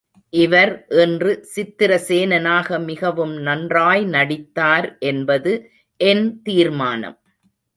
இவர் இன்று சித்திரசேனனாக மிகவும் நன்றாய் நடித்தார் என்பது என் தீர்மானம்.